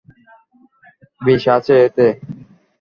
বিষ আছে এতে।